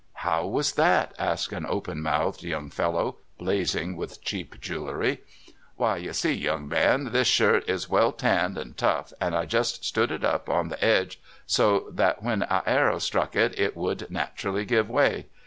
"How was that?" asked an open mouthed young fellow, blazing with cheap jewelry. " Why, you see, young man, this shirt is well tanned and tough, and I just stood it up on the edges, so that when a arrer struck it, it would nat arally give way.